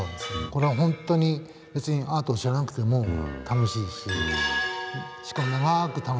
これはほんとに別にアートを知らなくても楽しいししかも長く楽しんでいられる。